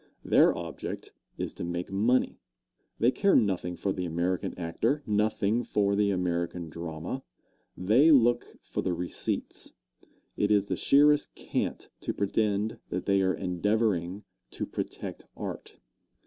Their object is to make money. They care nothing for the American actor nothing for the American drama. They look for the receipts. It is the sheerest cant to pretend that they are endeavoring to protect art.